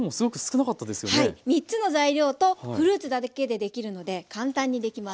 ３つの材料とフルーツだけでできるので簡単にできます。